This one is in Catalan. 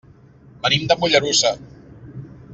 Venim de Mollerussa.